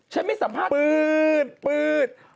ฉันไม่สามารถปื๊ด